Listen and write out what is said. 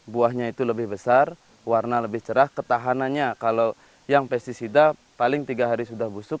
buahnya itu lebih besar warna lebih cerah ketahanannya kalau yang pesticida paling tiga hari sudah busuk